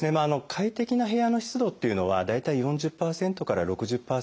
快適な部屋の湿度っていうのは大体４０％から６０％ほどといわれてます。